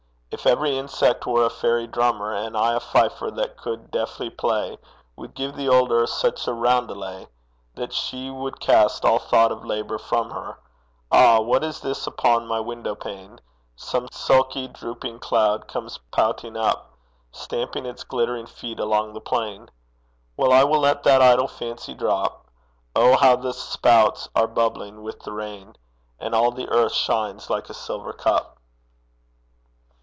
If every insect were a fairy drummer, And I a fifer that could deftly play, We'd give the old Earth such a roundelay That she would cast all thought of labour from her Ah! what is this upon my window pane? Some sulky drooping cloud comes pouting up, Stamping its glittering feet along the plain! Well, I will let that idle fancy drop. Oh, how the spouts are bubbling with the rain! And all the earth shines like a silver cup!